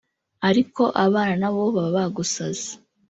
ariko abana nabo baba bagusaza